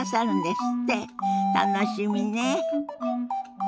楽しみね。